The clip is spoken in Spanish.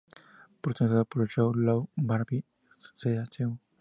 Protagonizada por Show Luo y Barbie Hsu.